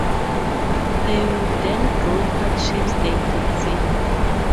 They would then draw what shapes they had seen.